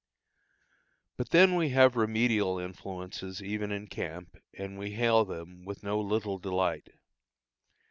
But then we have remedial influences even in camp, and we hail them with no little delight.